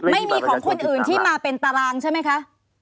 ไม่มีของคนอื่นที่มาเป็นตารางใช่ไหมคะ